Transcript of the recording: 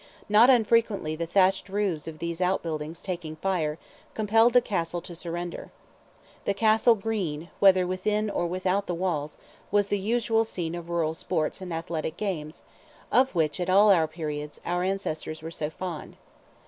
Not unfrequently the thatched roofs of these outbuildings taking fire, compelled the castle to surrender. The Castle "green," whether within or without the walls, was the usual scene of rural sports and athletic games, of which, at all periods, our ancestors were so fond.